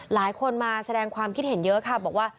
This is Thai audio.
หลายคนมาแสดงความคิดเห็นเยอะค่ะบอกว่า